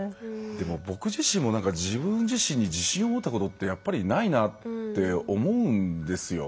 僕自身も自分自身に自信を持ったことってやっぱりないなって思うんですよ。